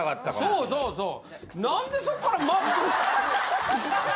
そうそうそう。